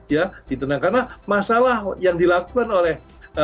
karena masalah yang dilakukan oleh